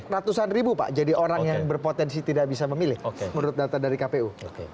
ratusan ribu pak jadi orang yang berpotensi tidak bisa memilih menurut data dari kpu